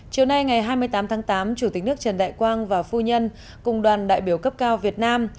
chiều nay ngày hai mươi tám tháng tám chủ tịch nước trần đại quang và phu nhân cùng đoàn đại biểu cấp cao việt nam